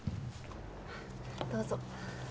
どうぞ。